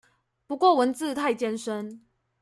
不過文字太艱深